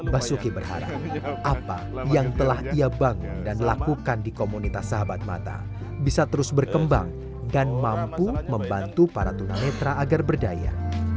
basuki berharap apa yang telah ia bangun dan lakukan di komunitas sahabat mata bisa terus berkembang dan mampu membantu para tunanetra agar berdaya